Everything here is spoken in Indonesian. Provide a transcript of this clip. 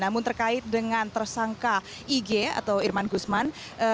yang terkait dengan tersangka ig atau yerman gusman